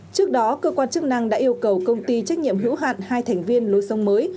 trước đó cơ quan chức năng đã yêu cầu công ty trách nhiệm hữu hạn hai thành viên lối sông mới